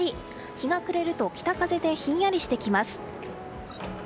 日が暮れると北風でひんやりしてきます。